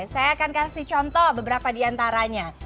saya akan kasih contoh beberapa diantaranya